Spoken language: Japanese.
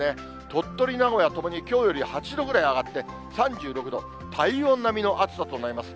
鳥取、名古屋、ともにきょうより８度ぐらい上がって、３６度、体温並みの暑さとなります。